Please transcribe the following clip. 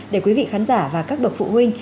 để quý vị khán giả và các bậc phụ huynh